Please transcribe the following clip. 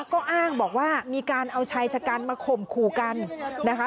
ก็อ้างบอกว่ามีการเอาชายชะกันมาข่มขู่กันนะคะ